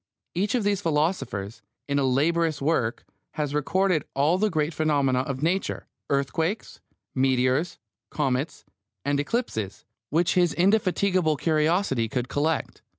Each of these philosophers, in a laborious work, has recorded all the great phenomena of Nature, earthquakes, meteors, comets, and eclipses, which his indefatigable curiosity could collect.